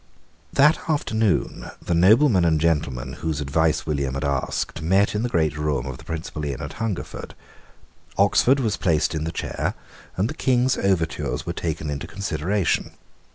That afternoon the noblemen and gentlemen whose advice William had asked met in the great room of the principal inn at Hungerford. Oxford was placed in the chair; and the King's overtures were taken into consideration.